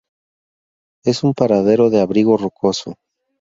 Es un paradero de abrigo rocoso.